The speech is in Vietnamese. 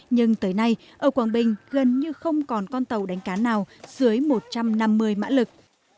nhưng tới nay ở quảng bình gần như không còn con tàu đánh cá nào dưới một trăm năm mươi mã lực